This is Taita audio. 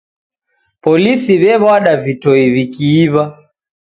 Polisi w'ew'ada vitoi w'ikiiw'a